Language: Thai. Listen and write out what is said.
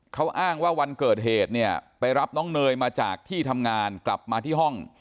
เขาอ้างว่าวันเกิดเหตุเนี่ยไปรับน้องเนยมาจากที่ทำงานกลับมาที่ห้อง